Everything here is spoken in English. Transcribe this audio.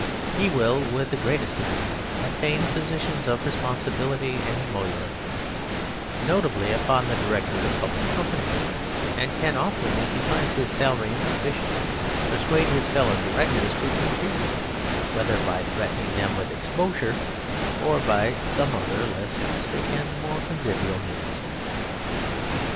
He will with the greatest ease obtain positions of responsibility and emolument, notably upon the directorate of public companies, and can often, if he finds his salary insufficient, persuade his fellow directors to increase it, whether by threatening them with exposure or by some other less drastic and more convivial means.